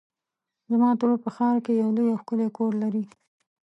زما ترور په ښار کې یو لوی او ښکلی کور لري.